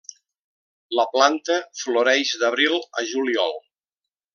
La planta floreix d'abril a juliol.